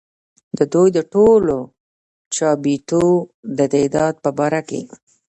ددوي د ټولو چابېتو د تعداد پۀ باره کښې